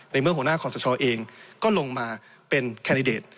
ในเมื่อหัวหน้าขอสชเองก็ลงมาเป็นแคนดิเดต